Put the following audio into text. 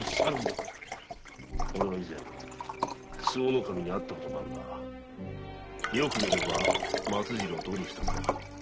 オレは以前周防守に会った事があるがよく見れば「ウリ二つ」だ。